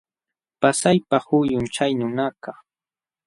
Pasaypa huyum chay nunakaq.